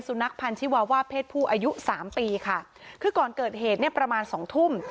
นักพันธิวาว่าเพศผู้อายุสามปีค่ะคือก่อนเกิดเหตุเนี่ยประมาณสองทุ่ม